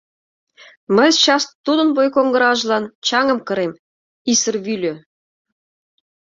Мый счас тудын вуйкоҥгыражлан чаҥым кырем, исыр вӱльӧ!